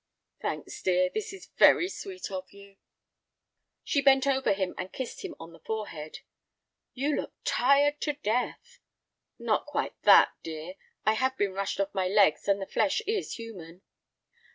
"Thanks, dear, this is very sweet of you." She bent over him and kissed him on the forehead. "You look tired to death." "Not quite that, dear; I have been rushed off my legs and the flesh is human."